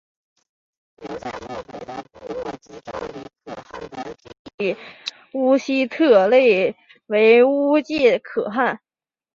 留在漠北的部落立昭礼可汗的弟弟乌希特勒为乌介可汗。